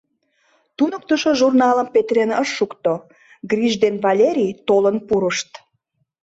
Туныктышо журналым петырен ыш шукто, Гриш ден Валерий толын пурышт.